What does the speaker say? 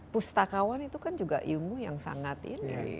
pustakawan itu kan juga ilmu yang sangat ini